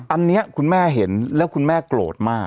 อันนี้คุณแม่เห็นแล้วคุณแม่โกรธมาก